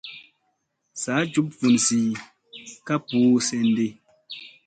Saa juɓ vun zii ka ɓuu senɗi.